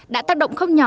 đã tác động không nhận